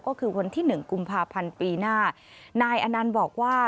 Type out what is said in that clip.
ก็คือวันที่๑กุมภาพันธุ์ปีหน้านายอนานบอกว่า